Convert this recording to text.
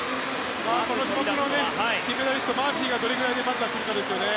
この種目の金メダリストマーフィーがどれくらいで来るかですね。